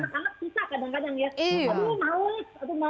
karena anak anak susah kadang kadang ya